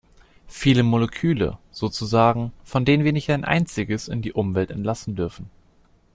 Viele Moleküle, sozusagen, von denen wir nicht ein einziges in die Umwelt entlassen dürfen.